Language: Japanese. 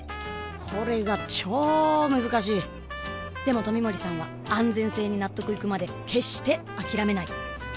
これがチョー難しいでも冨森さんは安全性に納得いくまで決してあきらめない！